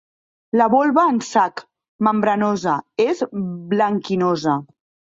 La volva en sac, membranosa, és blanquinosa.